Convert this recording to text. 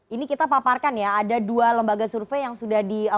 ini kita paparkan ya ada dua lembaga survei yang sudah di